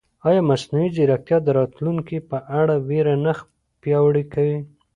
ایا مصنوعي ځیرکتیا د راتلونکي په اړه وېره نه پیاوړې کوي؟